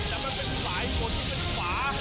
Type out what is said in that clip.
แต่เป็นสายผลที่เป็นฝา